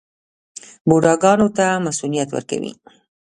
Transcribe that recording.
بوډاګانو ته مصوونیت ورکوي.